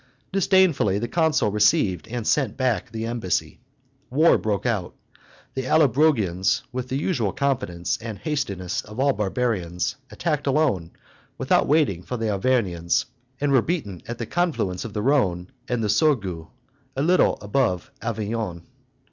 Disdainfully the consul received and sent back the embassy. War broke out; the Allobrogians, with the usual confidence and hastiness of all barbarians, attacked alone, without waiting for the Arvernians, and were beaten at the confluence of the Rhone and the Sorgue, a little above Avignon.